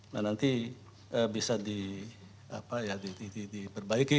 nah nanti bisa di apa ya diperbaiki